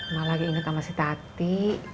malah lagi inget sama si tati